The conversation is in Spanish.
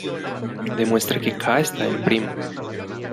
Demuestre que k está en prim.